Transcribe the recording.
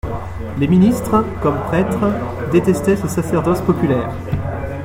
Les ministres, comme prêtres, détestaient ce sacerdoce populaire.